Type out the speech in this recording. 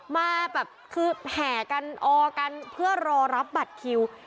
มาแบบคือแห่กันออกันเพื่อรอรับบัตรคิว